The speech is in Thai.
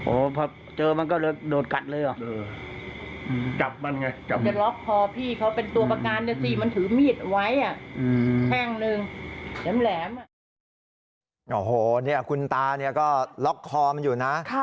โอ้โฮนี่คุณตาก็ล็อกคอมันอยู่นะ